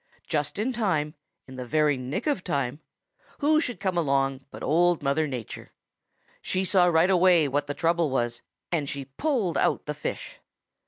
Just in time, in the very nick of time, who should come along but Old Mother Nature. She saw right away what the trouble was, and she pulled out the fish.